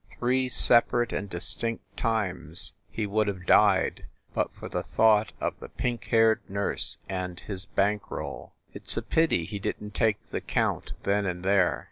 Three separate and distinct times he would have died but for the thought of the pink haired nurse and his bank roll. It s a pity he didn t take the count then and there.